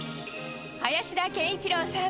林田健一郎さん。